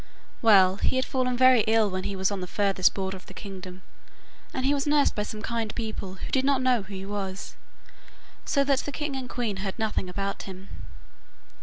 Well, he had fallen very ill when he was on the furthest border of the kingdom, and he was nursed by some kind people who did not know who he was, so that the king and queen heard nothing about him.